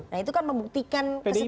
nah itu kan membuktikan kesimpulan